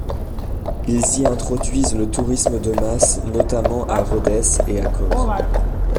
Ils y introduisent le tourisme de masse, notamment à Rhodes et à Kos.